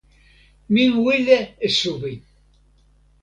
mi wile e suwi!